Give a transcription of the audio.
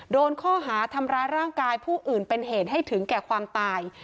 โดนข้อหาทำร้ายร่างกายผู้อื่นเป็นเหตุให้ถึงแก่ความตาย